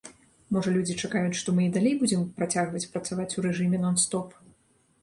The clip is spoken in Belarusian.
Можа, людзі чакаюць, што мы і далей будзем працягваць працаваць у рэжыме нон-стоп.